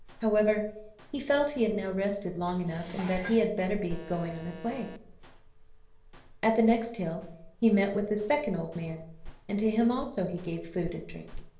However, he felt he had now rested long enough, and that he had better be going his way. At the next hill he met with the second old man, and to him also he gave food and drink.